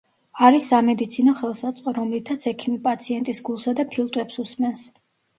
არის სამედიცინო ხელსაწყო, რომლითაც ექიმი პაციენტის გულსა და ფილტვებს უსმენს.